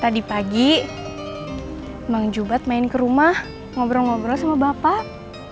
tadi pagi mang jubat main kerumah ngobrol ngobrol sama bapak